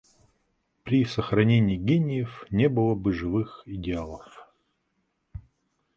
При сохранении гениев не было бы живых идеалов.